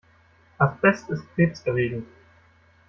Asbest ist krebserregend.